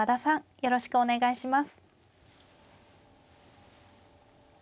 よろしくお願いします。